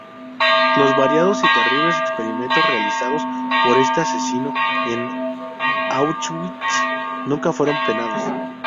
Los variados y terribles experimentos realizados por este asesino en Auschwitz nunca fueron penados.